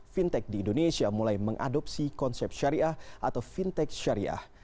fintech di indonesia mulai mengadopsi konsep syariah atau fintech syariah